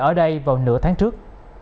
ở đây vào nửa tháng trước